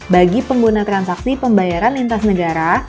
bagi pengguna transaksi pembayaran lintas negara